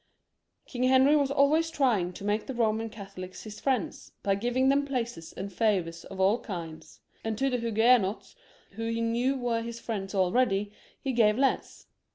King Henry was always trying to make the Soman CathoUcs his Mends, by giving them places and favours of all kinds ; and to the Huguenots, who he knew were his Mends already, he gave less.